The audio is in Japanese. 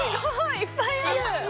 いっぱいある。